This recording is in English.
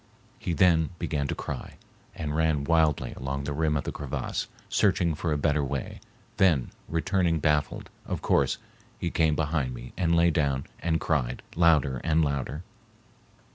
He then began to cry and ran wildly along the rim of the crevasse, searching for a better way, then, returning baffled, of course, he came behind me and lay down and cried louder and louder.